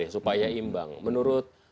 supaya imbang menurut